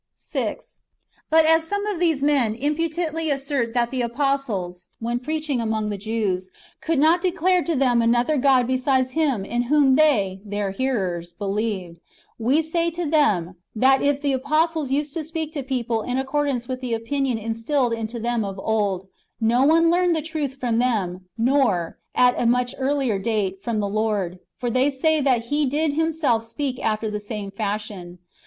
6. But as some of these men impudently assert that the apostles, when preaching among the Jews, could not declare to them another God besides Him in whom they (their hearers^) believed, we say to them, that if the apostles used to speak to people in accordance with the opinion instilled into them of old, no one learned the truth from them, nor, at a much earlier date, from the Lord ; for they say that He did Himself speak after the same fashion.